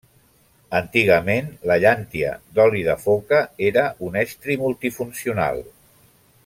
Antigament la llàntia d'oli de foca era un estri multifuncional.